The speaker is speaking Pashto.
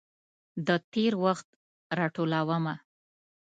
د تیروخت راټولومه